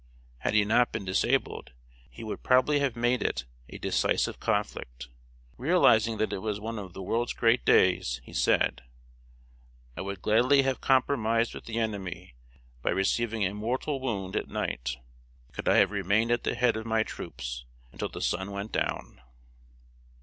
Had he not been disabled, he would probably have made it a decisive conflict. Realizing that it was one of the world's great days, he said: "I would gladly have compromised with the enemy by receiving a mortal wound at night, could I have remained at the head of my troops until the sun went down."